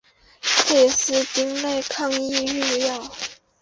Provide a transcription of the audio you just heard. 氟西汀类抗抑郁药。